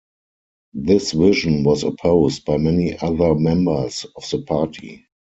This vision was opposed by many other members of the party.